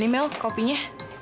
nih mel kopinya